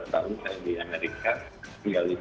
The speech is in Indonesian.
dua belas tahun saya di amerika tinggal di sini